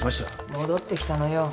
戻ってきたのよ